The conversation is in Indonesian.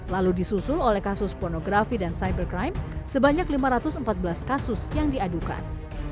lalu disusul oleh kasus pornografi dan cybercrime sebanyak lima ratus empat belas kasus yang diadukan